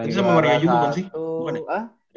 yang sama maria juga kan sih